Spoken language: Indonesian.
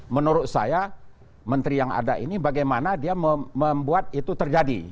menurut saya menteri yang ada ini bagaimana dia membuat itu terjadi